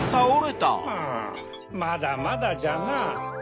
うんまだまだじゃな。